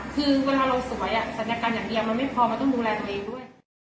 คือเวลาเราสวยศัลยกรรมอย่างเดียวมันไม่พอมันต้องดูแลตัวเองด้วย